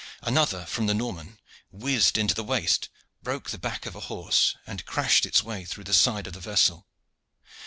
Another from the Norman whizzed into the waist, broke the back of a horse, and crashed its way through the side of the vessel.